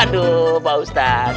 aduh pak ustadz